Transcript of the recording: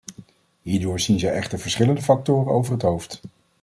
Hierdoor zien zij echter verschillende factoren over het hoofd.